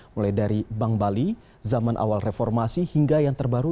mulai dari bank bali zaman awal reformasi hingga yang terbaru